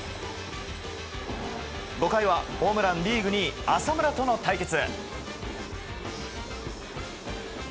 ５回はホームラン、リーグ２位浅村との対決。